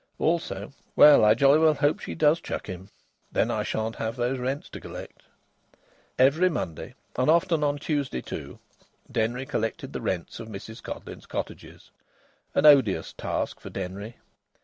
Also: "Well, I jolly well hope she does chuck him! Then I shan't have those rents to collect." Every Monday, and often on Tuesday, too, Denry collected the rents of Mrs Codleyn's cottages an odious task for Denry.